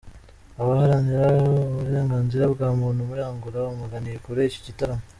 Abaharanira uburenganzira bwa muntu muri Angola bamaganiye kure iki gitaramo.